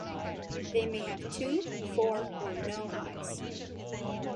They may have two, four or no eyes.